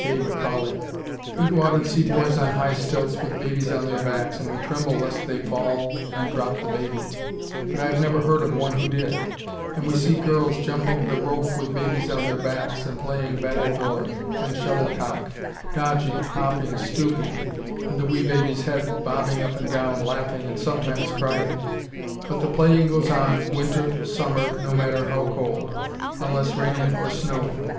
K. McCauley. "We go out and see boys on high stilts, with babies on their backs, and we tremble lest they fall and drop the baby; but I have never heard of one who did; and we see girls, jumping the rope with babies on their backs, and playing battledore and shuttlecock, dodging, hopping, stooping, and the wee baby's head bobbing up and down, laughing, and sometimes crying; but the playing goes on, winter, summer, no matter how cold, unless raining or snowing.